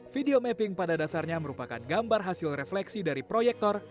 video mapping pada dasarnya merupakan gambar hasil refleksi dari proyektor